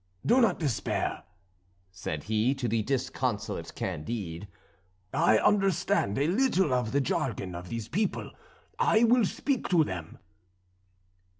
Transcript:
"Do not despair," said he to the disconsolate Candide, "I understand a little of the jargon of these people, I will speak to them."